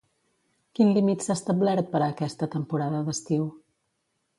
Quin límit s'ha establert per a aquesta temporada d'estiu?